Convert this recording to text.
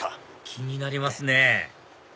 気になりますね